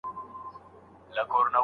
شاګرد څنګه کولای سي خپله مسوده سمه کړي؟